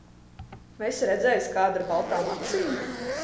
Vai esi redzējis kādu ar baltām acīm?